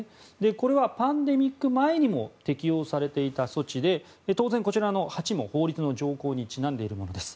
これはパンデミック前にも適用されていた措置で当然、こちらの８も法律の条項にちなむものです。